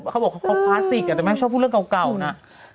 เขาบอกเขาคลาสสิกแต่แม่ชอบพูดเรื่องเก่านะ